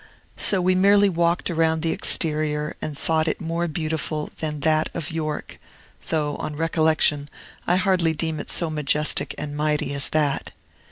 So we merely walked round the exterior, and thought it more beautiful than that of York; though, on recollection, I hardly deem it so majestic and mighty as that.